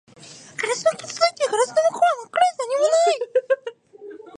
ガラスは傷ついていて、ガラスの向こうは真っ暗で何もない